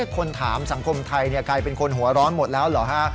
คนถามสังคมไทยกลายเป็นคนหัวร้อนหมดแล้วเหรอฮะ